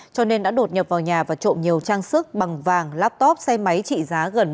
cho nên đã đột nhập vào nhà và trộm nhiều trang sức bằng vàng laptop xe máy trị giá gần một trăm ba mươi